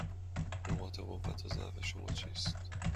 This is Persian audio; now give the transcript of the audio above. نقاط قوت و ضعف شما چیست؟